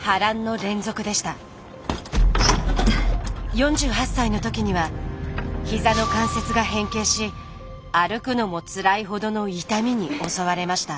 ４８歳の時にはひざの関節が変形し歩くのもつらいほどの痛みに襲われました。